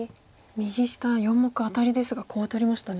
右下４目アタリですがコウを取りましたね。